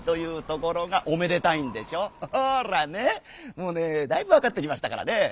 もうねだいぶわかってきましたからね。